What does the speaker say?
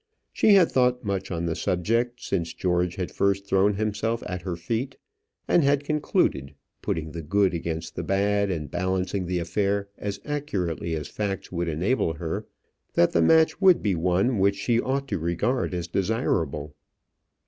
She had thought much on the subject since George had first thrown himself at her feet, and had concluded, putting the good against the bad, and balancing the affair as accurately as facts would enable her, that the match would be one which she ought to regard as desirable.